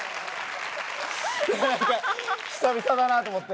何か久々だなと思って。